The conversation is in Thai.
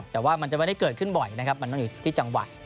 แต่ว่ามันจะไม่ได้เกิดขึ้นบ่อยนะครับมันต้องอยู่ที่จังหวัด